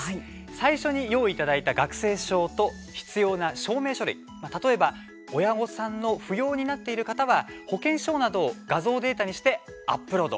最初に用意いただいた学生証と必要な証明書類、例えば親御さんの扶養になっている方は保険証などを画像データにしてアップロード。